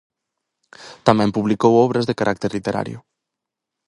Tamén publicou obras de carácter literario.